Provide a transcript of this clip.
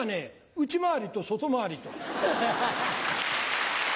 内回りと外回りと。